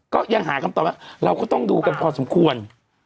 ก็ยังหาคำตอบว่าเราก็ต้องดูกันพอสมควร